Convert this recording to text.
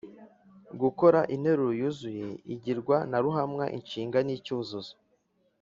gukora interuro yuzuye igirwa na ruhamwa inshinga ni icyuzuzo